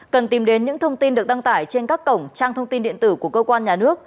cần tìm đến những thông tin được đăng tải trên các cổng trang thông tin điện tử của cơ quan nhà nước